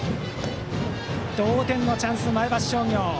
同点のチャンス、前橋商業。